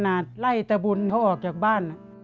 ไล่ตะบุญเขาออกจากบ้าน